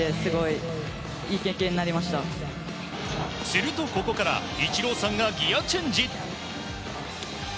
するとここからイチローさんがギアチェンジ。